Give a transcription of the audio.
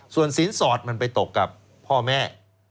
ส่วนสินสอดมันไปตกกับพ่อแม่